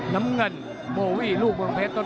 น้ำเงินโบวี่ลูกวงเพชร